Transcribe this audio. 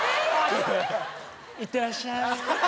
「いってらっしゃい」。